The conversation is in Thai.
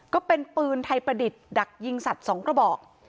ก็เป็นปืนไทยประดิษฐ์ดักยิงสัตว์๒กระบอก